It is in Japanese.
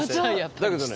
だけどね